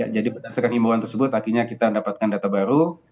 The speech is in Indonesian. jadi berdasarkan himbawan tersebut akhirnya kita dapatkan data baru